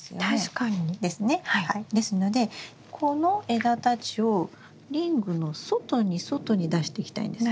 ですのでこの枝たちをリングの外に外に出していきたいんです。